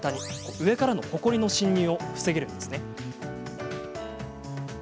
上からのほこりの侵入を防げます。